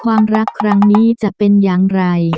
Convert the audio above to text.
ความรักครั้งนี้จะเป็นอย่างไร